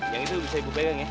yang itu bisa ibu pegang ya